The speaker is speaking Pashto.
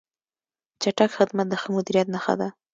چټک خدمت د ښه مدیریت نښه ده.